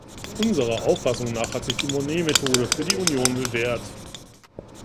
Unserer Auffassung nach hat sich die Monnet-Methode für die Union bewährt.